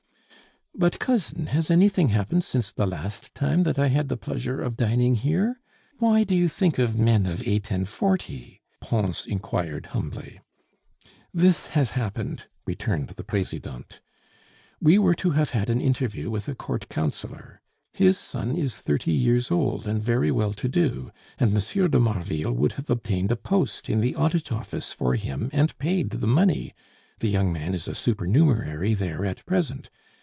"But, cousin, has anything happened since the last time that I had the pleasure of dining here? Why do you think of men of eight and forty?" Pons inquired humbly. "This has happened," returned the Presidente. "We were to have had an interview with a Court Councillor; his son is thirty years old and very well to do, and M. de Marville would have obtained a post in the audit office for him and paid the money. The young man is a supernumerary there at present.